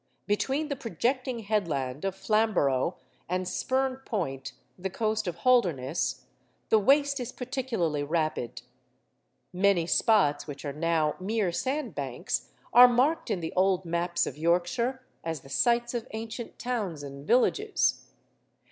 Between the projecting headland of Flamborough and Spurn Point (the coast of Holderness) the waste is particularly rapid. Many spots, which are now mere sandbanks, are marked in the old maps of Yorkshire as the sites of ancient towns and villages.